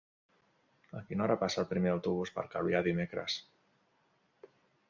A quina hora passa el primer autobús per Calvià dimecres?